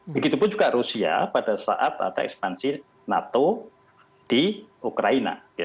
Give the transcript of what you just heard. begitupun juga rusia pada saat ada ekspansi nato di ukraina